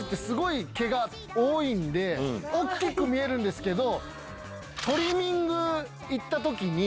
大っきく見えるんですけど。